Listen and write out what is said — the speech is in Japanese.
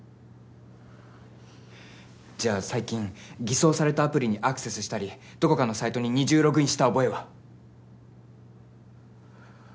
じゃあ最近偽装されたアプリにアクセスしたりどこかのサイトに二重ログインした覚えは？